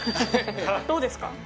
どうですか？